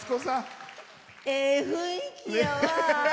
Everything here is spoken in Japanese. ええ雰囲気やわ！